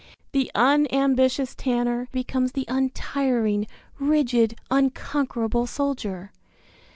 The unambitious tanner becomes the untiring, rigid, unconquerable soldier.